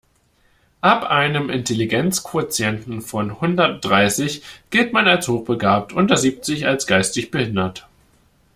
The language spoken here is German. Ab einem Intelligenzquotienten von hundertdreißig gilt man als hochbegabt, unter siebzig als geistig behindert.